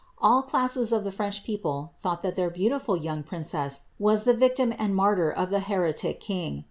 All classes of the French people thought that their beautiful young princess was the victim and martyr of the heretic king.